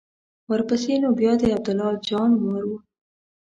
ورپسې نو بیا د عبدالله جان وار و.